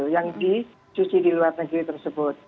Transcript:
yang dicuci di luar negeri tersebut